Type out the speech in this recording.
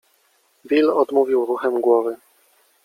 Bill odmówił ruchem głowy.